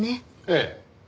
ええ。